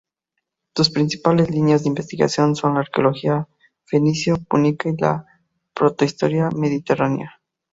Sus principales líneas de investigación son la Arqueología fenicio-púnica y la Protohistoria mediterránea.